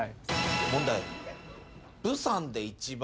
問題。